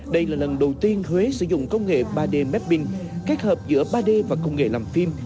đây là lần đầu tiên huế sử dụng công nghệ ba d mapping kết hợp giữa ba d và công nghệ làm phim